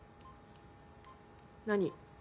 何？